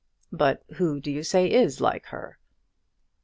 "But who do you say is like her?"